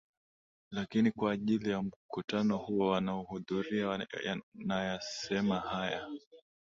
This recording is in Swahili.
lakini kwa ajili ya mkutano huu wanaohudhuria nayasema haya